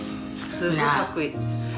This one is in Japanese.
すごいかっこいい。